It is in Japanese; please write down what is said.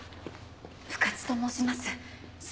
深津と申します。